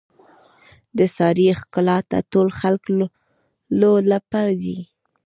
د سارې ښکلاته ټول خلک لولپه دي.